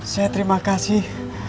saya terima kasih